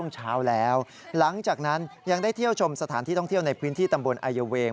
จากนั้นยังได้เที่ยวชมสถานที่ท่องเที่ยวในพื้นที่ตำบลไอเยาเวง